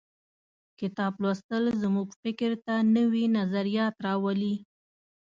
کتاب لوستل زموږ فکر ته نوي نظریات راولي.